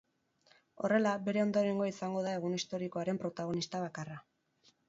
Horrela, bere ondorengoa izango da egun historikoaren protagonista bakarra.